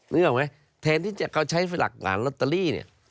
นึกออกไหมแทนที่เขาใช้หลักงานลอตเตอรี่เนี่ย